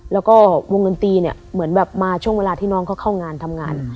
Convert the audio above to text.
แล้วก็วงดนตรีเนี่ยเหมือนแบบมาช่วงเวลาที่น้องเขาเข้างานทำงาน